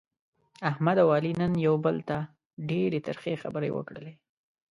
احمد او علي نن یو بل ته ډېرې ترخې خبرې وکړلې.